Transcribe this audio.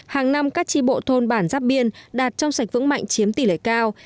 hàng năm các tri bộ thôn bản giáp biên đạt trong sạch vững mạnh chiếm tỷ lệ cao